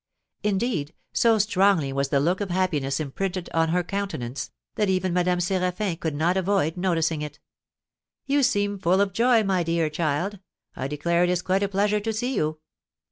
Indeed, so strongly was the look of happiness imprinted on her countenance, that even Madame Séraphin could not avoid noticing it. "You seem full of joy, my dear child; I declare it is quite a pleasure to see you."